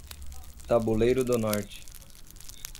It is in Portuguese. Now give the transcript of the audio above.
Tabuleiro do Norte